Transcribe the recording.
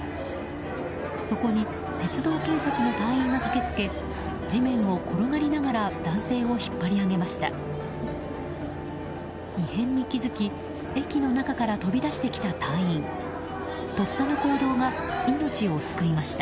そこに鉄道警察の隊員が駆けつけ地面を転がりながら男性を引っ張り上げました。